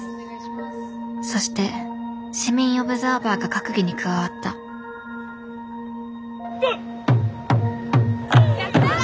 そして市民オブザーバーが閣議に加わったハッ！